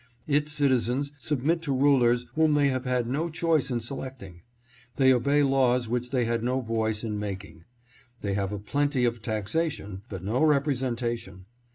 Its citizens submit to rulers whom they have had no choice in selecting. They obey laws which they had no voice in making. They have a plenty of taxa tion, but no representation.